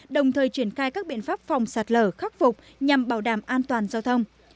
đồng thời triển khai các biện pháp phòng sạt lở khắc phục nhằm bảo đảm an toàn giao thông